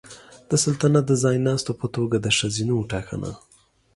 د سلطنت د ځایناستو په توګه د ښځینه وو ټاکنه